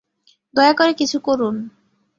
দয়া করে কিছু করুন।